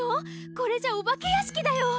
これじゃお化けやしきだよ！